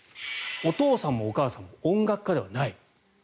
お父さんもお母さんも音楽家ではない。